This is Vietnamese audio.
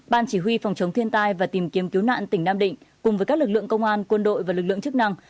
ban chỉ huy phòng chống thiên tai và tìm kiếm cứu nạn tỉnh nam định cùng với các lực lượng công an quân đội và lực lượng chức năng